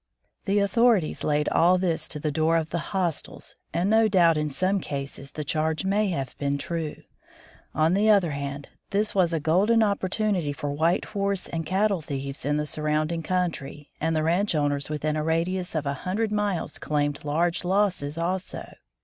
The authorities laid all this to the door of the "hostiles," and no doubt in some cases the charge may have been true. On 116 War loith the Politicians the other hand, this was a golden opportunity for white horse and cattle thieves in the surrounding country, and the ranch owners within a radius of a hundred miles claimed large losses also.